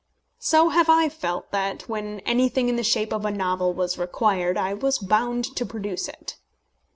So have I felt that, when anything in the shape of a novel was required, I was bound to produce it.